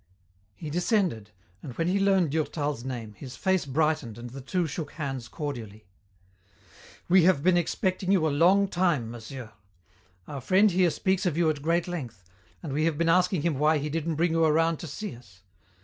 He descended, and when he learned Durtal's name his face brightened and the two shook hands cordially. "We have been expecting you a long time, monsieur. Our friend here speaks of you at great length, and we have been asking him why he didn't bring you around to see us.